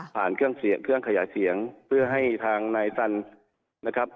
ผ่านเครื่องขยายเสียงเพื่อให้ทางนายสันนะครับ